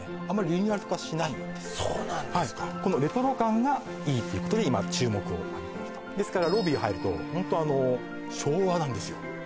あんまりリニューアルとかしないんですそうなんですかはいこのレトロ感がいいっていうことで今注目を浴びているとですからロビー入るとホントあの昭和なんですよ